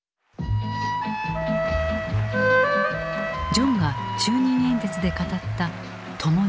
ジョンが就任演説で語った「ともに」